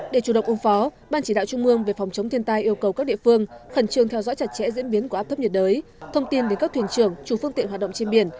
để chủ động ứng phó ban chỉ đạo trung mương về phòng chống thiên tai yêu cầu các địa phương khẩn trương theo dõi chặt chẽ diễn biến của áp thấp nhiệt đới thông tin đến các thuyền trưởng chủ phương tiện hoạt động trên biển